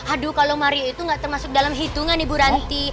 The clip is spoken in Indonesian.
aduh kalau mario itu gak termasuk dalam hitungan ibu ranti